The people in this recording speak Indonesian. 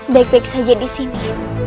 baik baik saja disini